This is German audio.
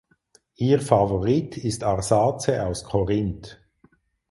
Ihr Favorit ist Arsace aus Korinth.